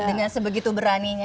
dengan sebegitu beraninya